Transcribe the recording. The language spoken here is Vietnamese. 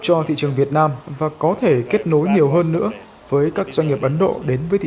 cho thị trường việt nam và có thể kết nối nhiều hơn nữa với các doanh nghiệp ấn độ đến với thị